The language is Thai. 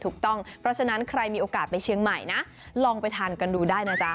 ถูกต้องเพราะฉะนั้นใครมีโอกาสไปเชียงใหม่นะลองไปทานกันดูได้นะจ๊ะ